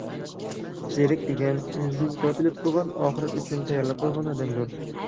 زېرەك دېگەن – ئۆزىدىن ھېساب ئېلىپ تۇرغان، ئاخىرەت ئۈچۈن تەييارلىق قىلغان ئادەمدۇر.